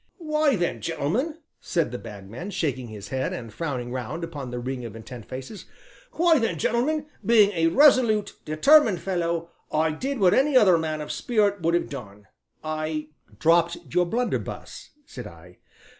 "Why, then, gentlemen," said the Bagman, shaking his head and frowning round upon the ring of intent faces, "why then, gentlemen, being a resolute, determined fellow, I did what any other man of spirit would have done I " "Dropped your blunderbuss," said I.